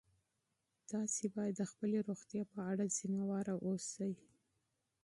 تاسي باید د خپلې روغتیا په اړه مسؤل اوسئ.